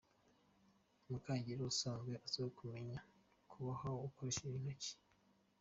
Mukahigiro asanzwe azwiho kumenya kuboha akoresheje intoki.